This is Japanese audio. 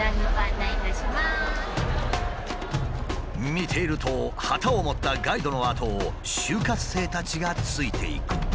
見ていると旗を持ったガイドのあとを就活生たちがついていく。